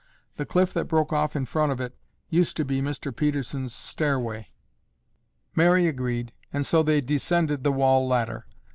The cliff that broke off in front of it used to be Mr. Pedersen's stairway." Mary agreed and so they ascended the wall ladder.